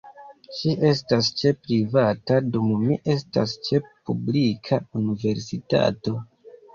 Ŝi estas ĉe privata dum mi estas ĉe publika universitato.